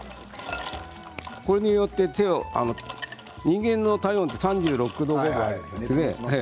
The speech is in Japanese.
これによって人間の体温って３６度５分あるんですね。